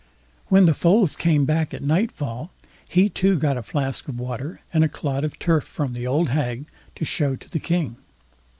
When the foals came back at nightfall, he too got a flask of water and clod of turf from the old hag to show to the King.